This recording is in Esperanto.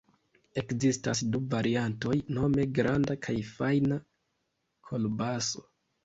Ekzistas du variantoj nome granda kaj fajna kolbaso.